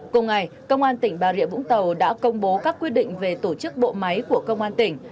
cùng ngày công an tỉnh bà rịa vũng tàu đã công bố các quyết định về tổ chức bộ máy của công an tỉnh